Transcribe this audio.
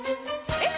えっ